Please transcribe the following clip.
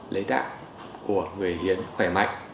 lấy tạng của người hiến khỏe mạnh